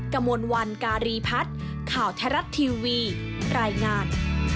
กระมวลวันการีพัฒน์ข่าวไทยรัฐทีวีรายงาน